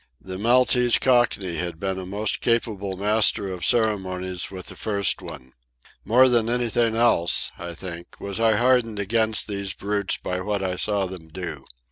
The Maltese Cockney had been a most capable master of ceremonies with the first one. More than anything else, I think, was I hardened against these brutes by what I saw them do.